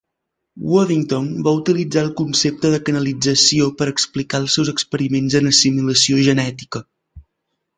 Waddington va utilitzar el concepte de canalització per explicar els seus experiments en assimilació genètica.